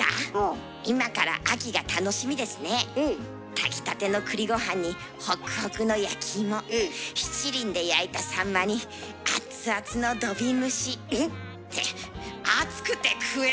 炊きたての栗ごはんにホクホクの焼き芋七輪で焼いたサンマに熱々の土瓶蒸し。って暑くて食えるかあ！